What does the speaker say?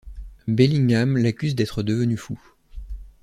Bellingham l'accuse d'être devenu fou.